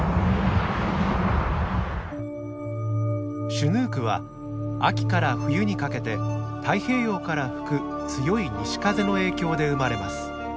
シュヌークは秋から冬にかけて太平洋から吹く強い西風の影響で生まれます。